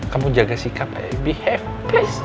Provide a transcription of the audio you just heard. kamu jaga sikap ya behave